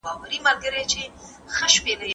خاوند به د ميرمنې د خدمت لپاره څوک ګماري؟